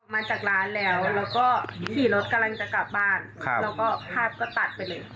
มาจากร้านแล้วแล้วก็ขี่รถกำลังจะกลับบ้านแล้วก็ภาพก็ตัดไปเลย